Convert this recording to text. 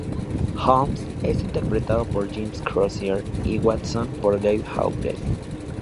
Holmes es interpretado por Jim Crozier y Watson por Dave Hawkes.